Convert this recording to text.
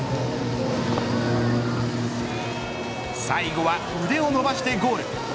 最後は腕を伸ばしてゴール。